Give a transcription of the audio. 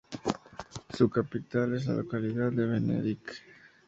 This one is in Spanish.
Su capital es la localidad de Benedikt.